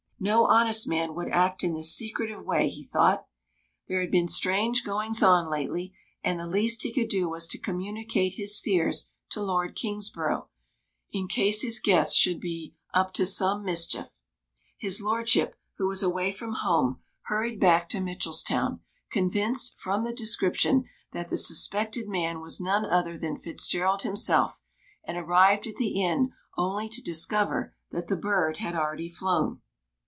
No honest man would act in this secretive way, he thought. There had been strange "goings on" lately; and the least he could do was to communicate his fears to Lord Kingsborough, in case his guest should be "up to some mischief." His lordship, who was away from home, hurried back to Mitchelstown, convinced, from the description, that the suspected man was none other than Fitzgerald himself, and arrived at the inn only to discover that the bird had already flown.